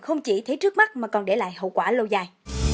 không chỉ thấy trước mắt mà còn để lại hậu quả lâu dài